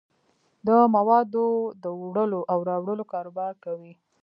د موادو دوړلو او راوړلو کاروبار کوي.